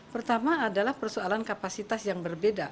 pertama adalah persoalan kapasitas yang berbeda